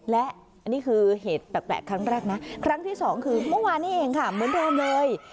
และอันนี้คือเหตุแปลกครั้งแรกนะครั้งที่สองคือเมื่อวานนี้เองค่ะเหมือนเดิมเลย